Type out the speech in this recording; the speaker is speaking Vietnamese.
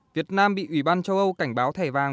việt nam bị ủy ban châu âu cảnh báo thẻ vàng